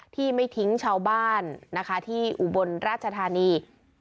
ที่ไม่ทิ้งชาวบ้านนะคะที่อุบลราชธานี